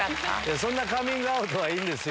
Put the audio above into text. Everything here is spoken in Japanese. そんなカミングアウトはいいんですよ。